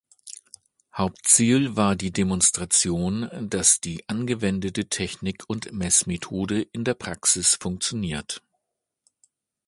Hauptziel war die Demonstration, dass die angewendete Technik und Messmethode in der Praxis funktioniert.